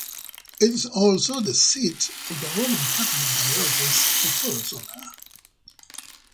It is also the seat of the Roman Catholic Diocese of Tarazona.